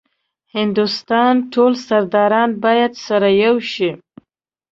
هندوستان ټول سرداران باید سره یو شي.